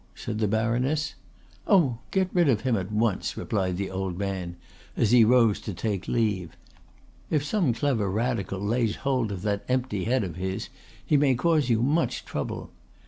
said the baroness. "Oh, get rid of him at once," replied the old man, as he rose to take leave. "If some clever Radical lays hold of that empty head of his, he may cause you much trouble.